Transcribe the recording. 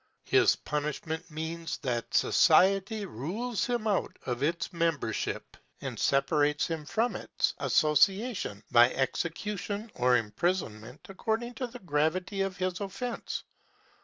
His punishment means that society rules him out of its membership, and separates him from its association, by execution or imprisonment, according to the gravity of his offense.